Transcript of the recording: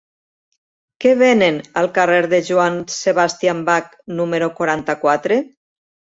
Què venen al carrer de Johann Sebastian Bach número quaranta-quatre?